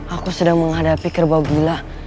aku sedang menghadapi kerbau bila